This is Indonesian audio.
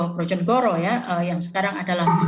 projonegoro ya yang sekarang adalah